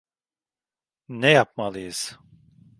Ne yapmalıyız?